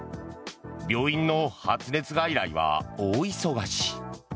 病院の発熱外来は大忙し。